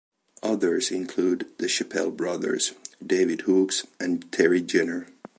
Others include the Chappell brothers, David Hookes and Terry Jenner.